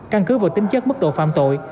căn cứ vào tính chất mức độ phạm tội